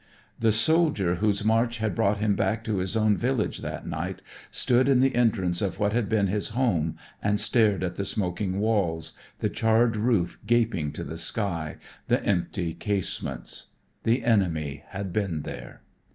The soldier whose march had brought him back to his own village that night stood in the entrance of what had been his home and stared at the smoking walls, the charred roof gaping to the sky, the empty casements. The enemy had been there.